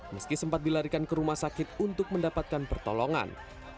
meski sempat dilarikan ke rumah sakit untuk mendapatkan pertolongan